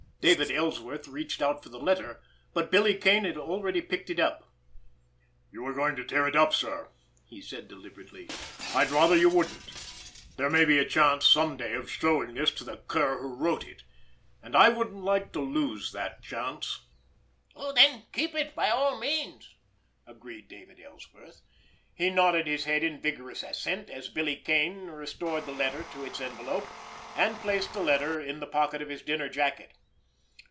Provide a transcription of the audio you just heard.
David Ellsworth reached out for the letter—but Billy Kane had already picked it up. "You were going to tear it up, sir," he said deliberately. "I'd rather you wouldn't. There may be a chance some day of showing this to the cur who wrote it—and I wouldn't like to lose that chance." "Then keep it, by all means!" agreed David Ellsworth. He nodded his head in vigorous assent, as Billy Kane restored the letter to its envelope, and placed the letter in the pocket of his dinner jacket.